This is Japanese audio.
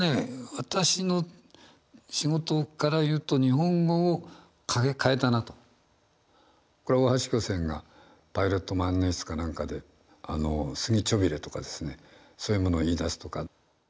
私の仕事からいうとこれ大橋巨泉がパイロット万年筆かなんかで「すぎちょびれ」とかですねそういうものを言いだすとか。